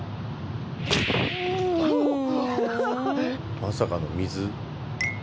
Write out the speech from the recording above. まさかの水。